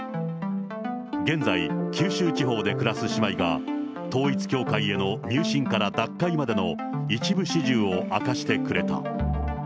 現在、九州地方で暮らす姉妹が統一教会への入信から脱会までの一部始終を明かしてくれた。